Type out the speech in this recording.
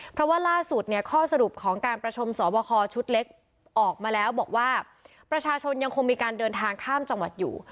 เพราะว่าล่าสุดเนี่ยข้อสรุปของการประชุมสอบคอชุดเล็กออกมาแล้วบอกว่าประชาชนยังคงมีการเดินทางข้ามจังหวัดอยู่